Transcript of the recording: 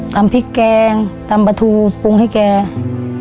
ทำพริกแกงทำปลาทูปรุงให้แก